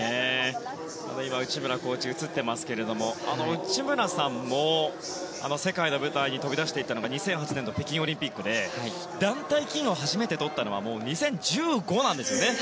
今、内村コーチが映っていますが内村さんも世界の舞台に飛び出していったのが２００８年の北京オリンピックで団体金を初めてとったのは２０１５なんですよね。